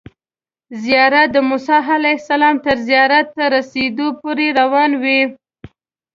زیارت د موسی علیه السلام تر زیارت ته رسیدو پورې روان وي.